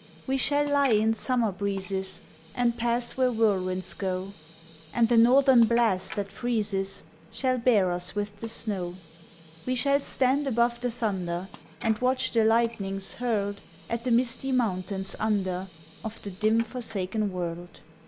We shall lie in summer breezes And pass where whirlwinds go, And the Northern blast that freezes Shall bear us with the snow. We shall stand above the thunder, And watch the lightnings hurled At the misty mountains under, Of the dim forsaken world.